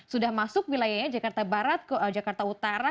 sudah masuk wilayahnya jakarta barat ke jakarta utara